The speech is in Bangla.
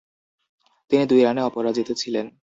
তিনি দুই রানে অপরাজিত ছিলেন।